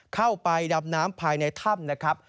เข้าไปดำน้ำภายในถ้ำนะครับ